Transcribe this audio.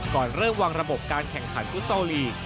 ก่อนเริ่มวางระบบการแข่งขันฟุตซอลลีก